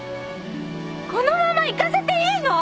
このまま行かせていいの！？